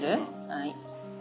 はい。